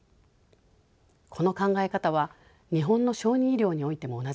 この考え方は日本の小児医療においても同じです。